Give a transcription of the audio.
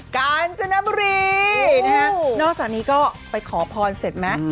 กาญจนบุรีนะฮะนอกจากนี้ก็ไปขอพรเสร็จไหม